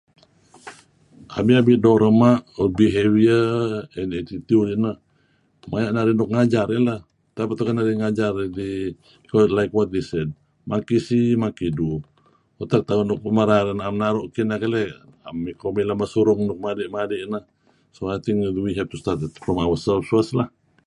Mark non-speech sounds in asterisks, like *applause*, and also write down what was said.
"Abi-abi doo' rema' *unintelligible* attitude ineh maya' narih nuk ngajar inah, utak narih pengajar idih kayu' like what they said ""monkey see monkey do"" . Utak tauh lun merar na'em naru' kineh keleh 'am nikoh mileh mesurung nuk madi'-madi' neh. I think we have to start from ourselves first lah. "